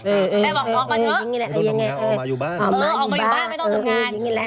แม่บอกออกมาเถอะออกมาอยู่บ้านไม่ต้องทำงาน